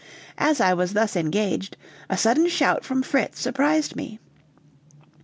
As I was thus engaged, a sudden shout from Fritz surprised me.